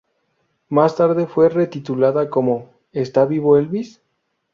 Más tarde fue retitulada como "¿Está vivo Elvis?".